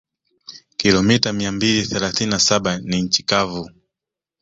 Kilomita mia mbili thelathini na saba ni nchi kavu